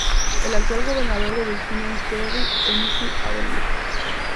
El actual gobernador de Virginia es Terry McAuliffe.